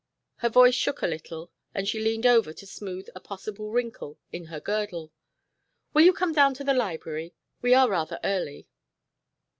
Her voice shook a little and she leaned over to smooth a possible wrinkle in her girdle. "Will you come down to the library? We are rather early."